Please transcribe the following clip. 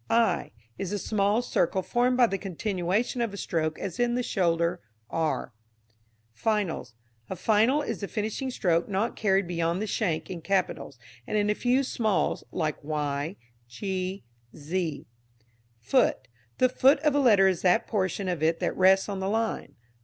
Eye is the small circle formed by the continuation of a stroke as in the shoulder r. Finals. A final is the finishing stroke not carried beyond the shank in capitals, and in a few smalls like y, g, z. Foot. The foot of a letter is that portion of it that rests on the line.